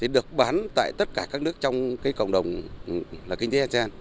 được bán tại tất cả các nước trong cộng đồng